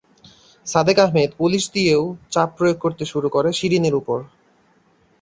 Sadek Ahmed police দিয়েও চাপ প্রয়োগ করতে শুরু করে শিরিনের ওপর।